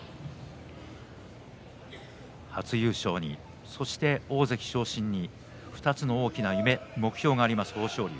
初優勝に、そして大関昇進、２つの大きな夢目標があります、豊昇龍。